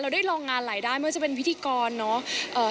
ได้ลองงานหลายด้านไม่ว่าจะเป็นพิธีกรเนอะ